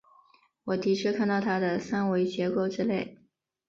我的确看到它的三维结构之类。